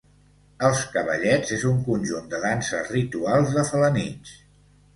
Els cavallets és un conjunt de danses rituals de Felanitx.